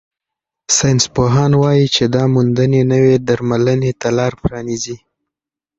ساینسپوهان وايي چې دا موندنې نوې درملنې ته لار پرانیزي.